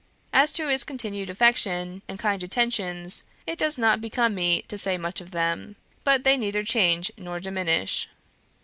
As to his continued affection and kind attentions it does not become me to say much of them; but they neither change nor diminish."